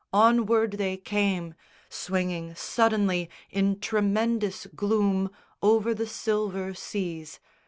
Onward they came, Swinging suddenly in tremendous gloom Over the silver seas.